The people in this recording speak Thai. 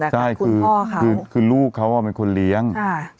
คุณพ่อเขาคือลูกเขาอ่ะเป็นคนเลี้ยงค่ะ